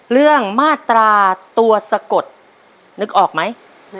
เรื่องมาตราตัวสกดนึกออกไหม